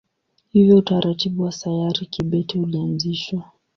Hivyo utaratibu wa sayari kibete ulianzishwa.